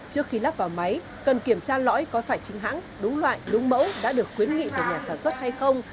trước khi lắp vào máy cần kiểm tra lõi có phải chính hãng đúng loại đúng mẫu đã được khuyến nghị từ nhà sản xuất hay không